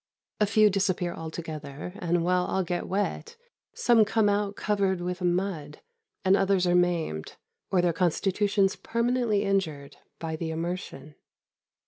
A few disappear altogether, and, while all get wet, some come out covered with mud, and others are maimed, or their constitutions permanently injured by the immersion.